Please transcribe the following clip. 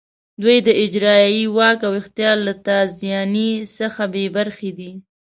دوی د اجرایې واک او اختیار له تازیاني څخه بې برخې دي.